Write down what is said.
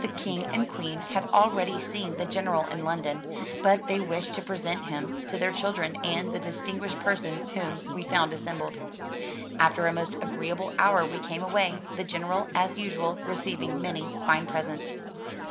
The King and Queen had already seen the General in London, but they wished to present him to their children and the distinguished persons whom we found assembled. After a most agreeable hour we came away, the General as usual receiving many fine presents.